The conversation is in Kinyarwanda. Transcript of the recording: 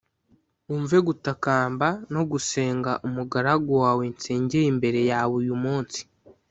wumve gutakamba no gusenga umugaragu wawe nsengeye imbere yawe uyu munsi